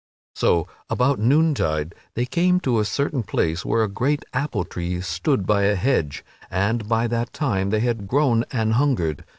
So, about noon tide, they came to a certain place where a great apple tree stood by a hedge, and by that time they had grown an hungered.